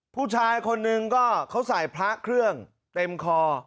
ผู้ชายคนหนึ่งก็เขาใส่พระเครื่องเต็มคอ